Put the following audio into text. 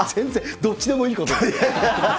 どっちでもいいことです